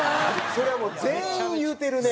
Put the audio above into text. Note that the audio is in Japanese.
それはもう全員言うてるね。